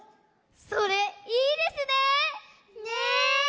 それいいですね。ね。